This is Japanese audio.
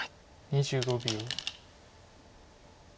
２５秒。